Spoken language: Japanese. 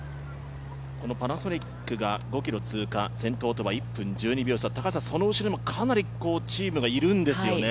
パナソニックが５ｋｍ通過先頭とは１分１２秒差、その後ろもかなりチームがいるんですよね。